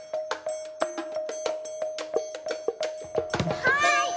はい！